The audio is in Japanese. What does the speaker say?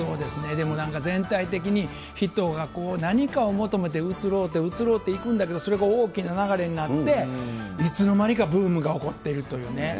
でもなんか、全体的に人が何かを求めてうつろうて、うつろうていくんだけど、それが大きな流れになって、いつのまにか、ブームが起こってるというね。